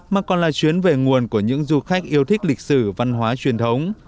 mà còn là chuyến về nguồn của những du khách yêu thích lịch sử văn hóa truyền thống